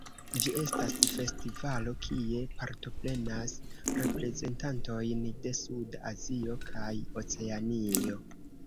Ĝi estas festivalo kie partoprenas reprezentantojn de suda Azio kaj Oceanio.